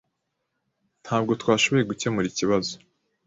Ntabwo twashoboye gukemura ikibazo.